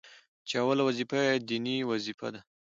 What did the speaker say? چي اوله وظيفه يې ديني وظيفه ده،